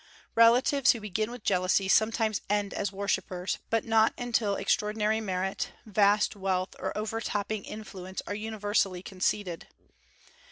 Relatives who begin with jealousy sometimes end as worshippers, but not until extraordinary merit, vast wealth, or overtopping influence are universally conceded.